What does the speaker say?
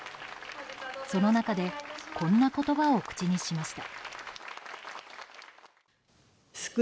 その中でこんな言葉を口にしました。